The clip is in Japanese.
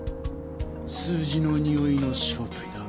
数字のにおいの正体だ。